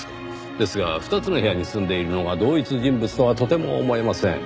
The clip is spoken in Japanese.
ですが２つの部屋に住んでいるのが同一人物とはとても思えません。